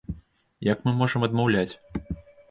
Як мы можам адмаўляць?